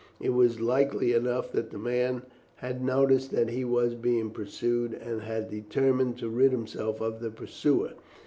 It was likely enough that the man had noticed that he was being pursued, and had determined to rid himself of the pursuer.